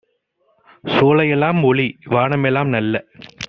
சோலையெ லாம்ஒளி வானமெலாம் - நல்ல